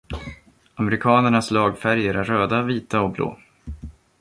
Amerikanernas lagfärger är röda, vita och blå.